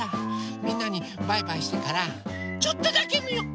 みんなにバイバイしてからちょっとだけみよう！